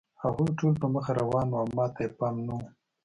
هغوی ټول په مخه روان وو او ما ته یې پام نه و